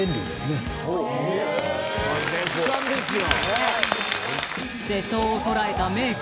絶賛ですよ。